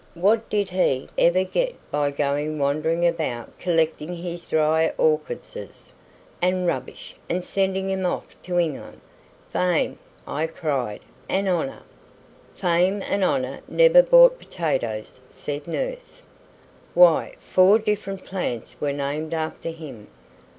What did he ever get by going wandering about collecting his dry orchardses and rubbish, and sending of 'em to England?" "Fame," I cried, "and honour." "Fame and honour never bought potatoes," said nurse. "Why, four different plants were named after him."